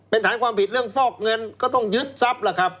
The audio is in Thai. เป็นฐานความผิดเรื่องฟอกเงินก็ต้องยึดทรัพย์ล่ะครับ